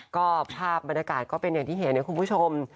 ก็ภาพบรรยากาศก็เป็นอย่างที่เห็นนะคุณผู้ชม